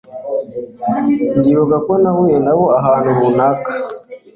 ndibuka ko nahuye nabo ahantu runaka